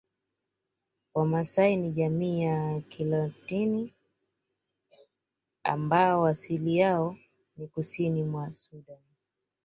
Wamaasai ni jamii ya nilotiki ambao asili yao ni Kusini mwa Sudani